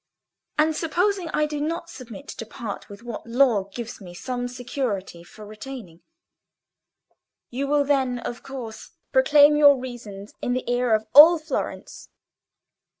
"And supposing I do not submit to part with what the law gives me some security for retaining? You will then, of course, proclaim your reasons in the ear of all Florence.